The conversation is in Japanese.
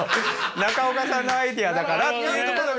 中岡さんのアイデアだからっていうところでやれば。